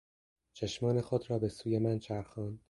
چشمان خود را به سوی من چرخاند.